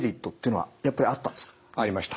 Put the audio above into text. ありました。